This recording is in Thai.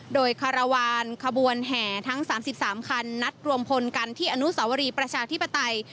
โดยคารวาลขบวนแห่ทั้ง๓๓คันนัดรวมพลกันที่อนุสาวรีประชาธิปไตย